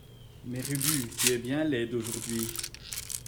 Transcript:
Mère Ubu, tu es bien laide aujourd’hui.